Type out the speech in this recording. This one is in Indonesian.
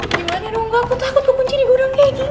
gimana dong aku takut kekunci di gudang kayak gini